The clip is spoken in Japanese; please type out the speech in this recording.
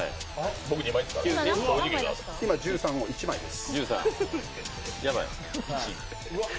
今、１３を１枚です。